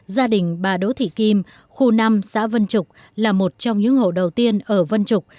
gia đình bà đỗ thị kim khu năm xã vân trục là một trong những hộ đầu tiên ở vân trục